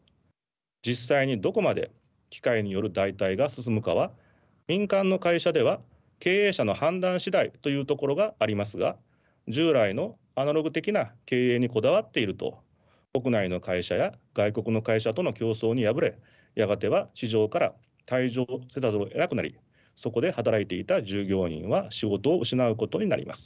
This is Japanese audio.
実際にどこまで機械による代替が進むかは民間の会社では経営者の判断次第というところがありますが従来のアナログ的な経営にこだわっていると国内の会社や外国の会社との競争に敗れやがては市場から退場せざるをえなくなりそこで働いていた従業員は仕事を失うことになります。